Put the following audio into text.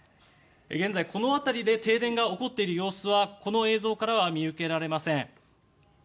現在この辺りで停電が起こっている様子はこの映像からは見受けられません。